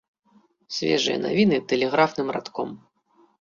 Свежыя навіны тэлеграфным радком.